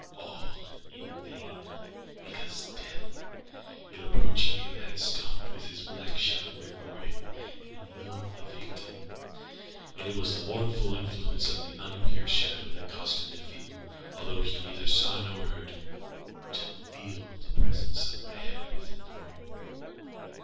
All in vain; because Death, in approaching him had stalked with his black shadow before him, and enveloped the victim. And it was the mournful influence of the unperceived shadow that caused him to feelâalthough he neither saw nor heardâto feel the presence of my head within the room.